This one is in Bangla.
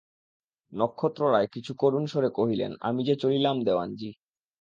নক্ষত্ররায় কিছু করুণ স্বরে কহিলেন, আমি যে চলিলাম দেওয়ানজি।